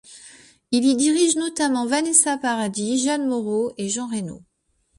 Il y dirige notamment Vanessa Paradis, Jeanne Moreau et Jean Reno.